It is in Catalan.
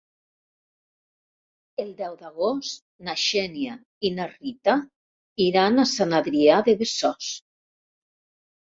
El deu d'agost na Xènia i na Rita iran a Sant Adrià de Besòs.